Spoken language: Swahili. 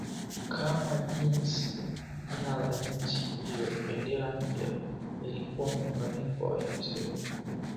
Kama jina la nchi hiyo bendera mpya ilikuwa muunganiko wa hiyo sehemu